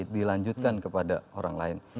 dilanjutkan kepada orang lain